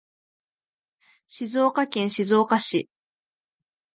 静岡県静岡市